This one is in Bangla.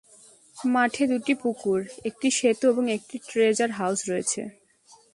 মাঠে দুটি পুকুর, একটি সেতু এবং একটি ট্রেজার হাউস রয়েছে।